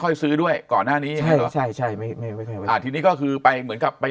ค่อยซื้อด้วยก่อนหน้านี้ใช่อาทิตย์นี้ก็คือไปเหมือนกับไป